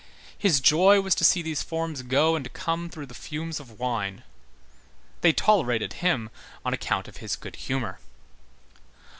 His joy was to see these forms go and come through the fumes of wine. They tolerated him on account of his good humor.